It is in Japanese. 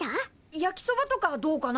焼きそばとかどうかな？